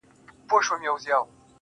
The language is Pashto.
اور او اوبه یې د تیارې او د رڼا لوري.